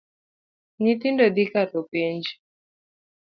Nyathino dhi kalo penj.